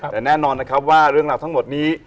แต่แน่นอนนะครับว่าเรื่องราวทั้งหมดนี้